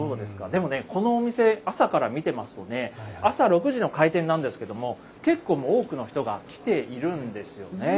でもね、このお店、朝から見てますとね、朝６時の開店なんですけども、けっこう、もう多くの人が来ているんですよね。